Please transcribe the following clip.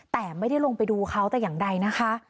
แต่ไม่ได้ลงไปดูเขาแต่อย่างใดนะคะ